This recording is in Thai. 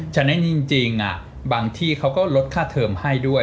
ฉะนั้นจริงบางที่เขาก็ลดค่าเทอมให้ด้วย